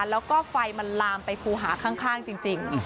แล้วก็ไฟมันลามไปคูหาข้างจริง